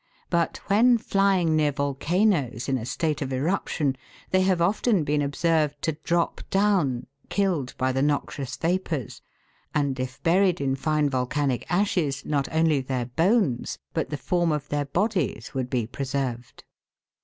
But when flying near volcanoes in a state of eruption, they have often been observed to drop down, killed by the noxious vapours, and if buried in fine volcanic ashes not only their bones, but the form of their bodies, would be preserved.